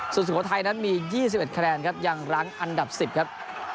สุโขทัยนั้นมี๒๑คะแนนครับยังรั้งอันดับ๑๐ครับ